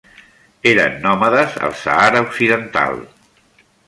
Eren nòmades al Sàhara occidental.